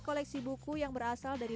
koleksi buku yang berasal dari